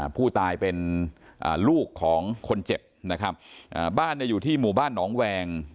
ผู้ตายเป็นลูกของคนเจ็บนะครับบ้านอยู่ที่หมู่บ้านหนองแวง